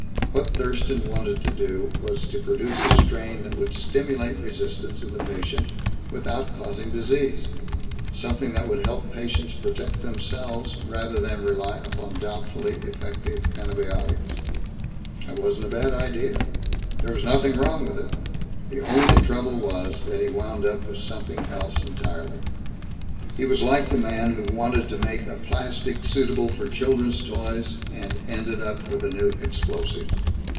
What Thurston wanted to do was to produce a strain that would stimulate resistance in the patient without causing disease something that would help patients protect themselves rather than rely upon doubtfully effective antibiotics." "That wasn't a bad idea." "There was nothing wrong with it. The only trouble was that he wound up with something else entirely. He was like the man who wanted to make a plastic suitable for children's toys and ended up with a new explosive.